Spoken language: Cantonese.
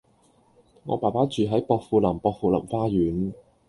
我爸爸住喺薄扶林薄扶林花園